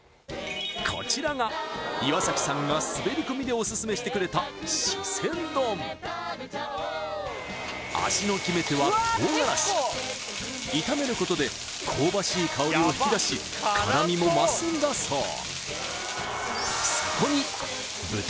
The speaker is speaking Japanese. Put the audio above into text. こちらが岩さんが滑り込みでオススメしてくれた味の決め手は唐辛子炒めることで香ばしい香りを引き出し辛味も増すんだそう